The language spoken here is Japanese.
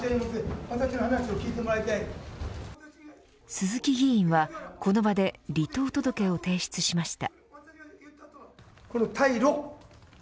鈴木議員は、この場で離党届を提出しました。